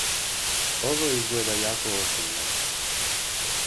Ovo izgleda jako ozbiljno.